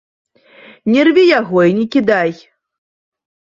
Не рві яго і не кідай.